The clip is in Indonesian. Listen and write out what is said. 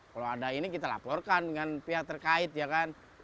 kalau ada ini kita laporkan dengan pihak terkait ya kan